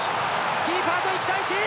キーパーと１対１。